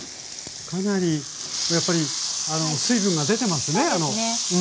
かなりやっぱり水分が出てますねもやしから。